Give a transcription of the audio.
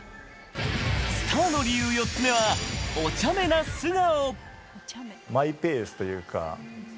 スターの理由、４つ目はおちゃめな素顔。